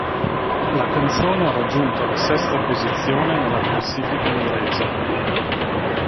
La canzone ha raggiunto la sesta posizione nella classifica inglese.